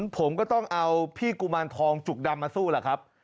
ผมก็ต้องเอาพี่กุมารทองจุกดำมาสู้แหละครับ